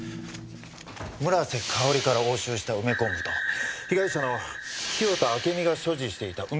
村瀬香織から押収した梅昆布と被害者の清田暁美が所持していた梅昆布の成分が一致しました。